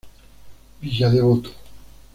Villa Devoto.